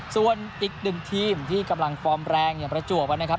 ส่วนอีกหนึ่งทีมที่กำลังฟอร์มแรงอย่างประจวบนะครับ